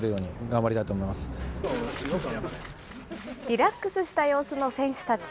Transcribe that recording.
リラックスした様子の選手たち。